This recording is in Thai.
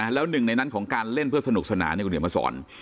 แล้วหนึ่งในนั้นของการเล่นเพื่อสนุกสนานเนี่ยคุณเดี๋ยวมาสอน